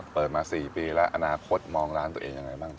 เปิดมา๔ปีแล้วอนาคตมองร้านตัวเองยังไงบ้าง